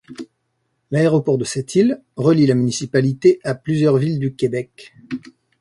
L'aéroport de Sept-Îles relie la municipalité à plusieurs villes du Québec.